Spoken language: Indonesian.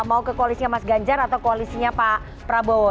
mau ke koalisnya mas ganjar atau koalisinya pak prabowo